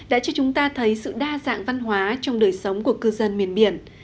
đã cho chúng ta thấy sự đa dạng văn hóa trong đời sống của cư dân miền biển